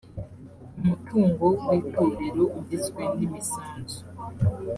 umutungo w itorero ugizwe n imisanzu